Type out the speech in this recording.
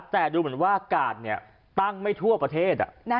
แต่ดูเหมือนว่ากาดตั้งไม่ทั่วประเทศ